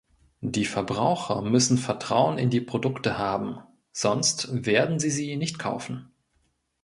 Die Verbraucher müssen Vertrauen in die Produkte haben, sonst werden sie sie nicht kaufen.